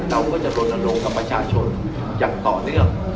เราก็จะลนลงกับประชาชนอย่างต่อเนื่อง